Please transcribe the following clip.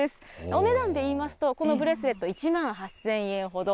お値段でいいますと、このブレスレット１万８０００円ほど。